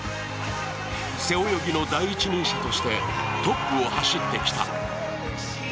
背泳ぎの第一人者としてトップを走ってきた。